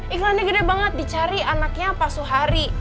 iklannya gede banget dicari anaknya pak suhari